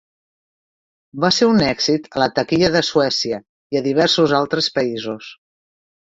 Va ser un èxit a la taquilla de Suècia i a diversos altres països.